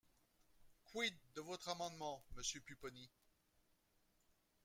Quid de votre amendement, monsieur Pupponi?